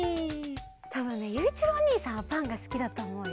たぶんねゆういちろうおにいさんはパンがすきだとおもうよ。